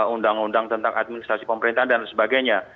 undang undang tentang administrasi pemerintahan dan sebagainya